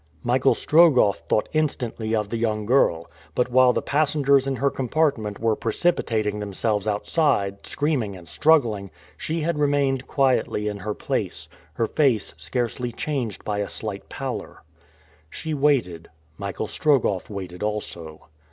Michael Strogoff thought instantly of the young girl; but, while the passengers in her compartment were precipitating themselves outside, screaming and struggling, she had remained quietly in her place, her face scarcely changed by a slight pallor. She waited Michael Strogoff waited also.